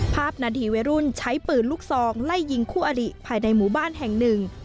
ภาพนาทีวัยรุ่นใช้ปืนลูกซองไล่ยิงคู่อริภายในหมู่บ้านแห่งหนึ่ง